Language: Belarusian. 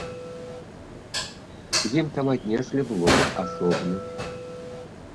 Ім там аднеслі блок асобны.